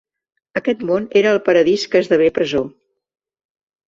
Aquest món era el paradís que esdevé presó.